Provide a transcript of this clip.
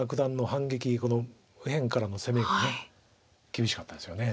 この右辺からの攻めが厳しかったですよね。